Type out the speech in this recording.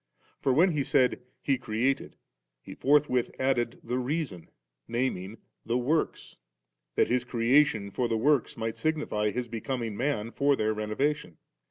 For when He said * He created,' He forthwith added the reason, naming 'the works,' that His creation for the works might signify His becoming man for their renovation.